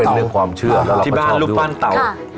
เรื่องความเชื่อที่บ้านรูปปั้นเต่า